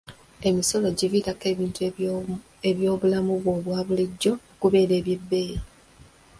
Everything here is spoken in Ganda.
Emisolo giviirako ebintu by'omu bulamu obwa bulijjo okubeera eby'ebbeeyi.